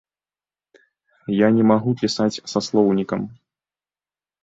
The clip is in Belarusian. Я не магу пісаць са слоўнікам.